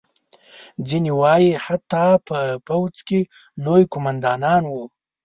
ځینې وایي حتی په پوځ کې لوی قوماندان وو.